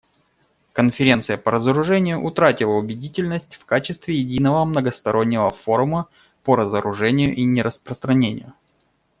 Конференция по разоружению утратила убедительность в качестве единого многостороннего форума по разоружению и нераспространению.